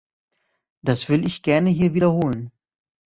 Das will ich gerne hier wiederholen.